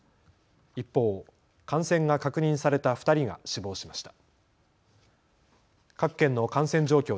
一方、感染が確認された２人が死亡しました。